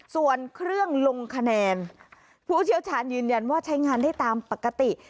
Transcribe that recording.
ส่วนเครื่องลงคะแนนผู้เชี่ยวชาญยืนยันว่าใช้งานได้ตามปกติ